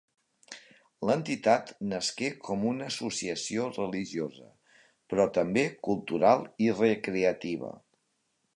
L'entitat nasqué com una associació religiosa, però també cultural i recreativa.